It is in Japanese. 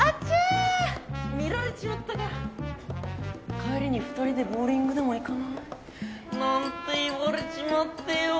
「帰りに２人でボウリングでも行かない？」なんて言われちまってよぉ。